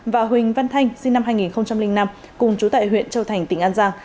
và huỳnh văn thanh sinh năm hai nghìn năm cùng chú tại huyện châu thành tỉnh an giang